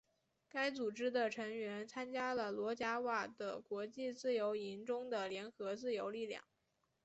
该组织的成员参加了罗贾瓦的国际自由营中的联合自由力量。